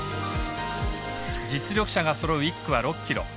実力者がそろう１区は６ｋｍ。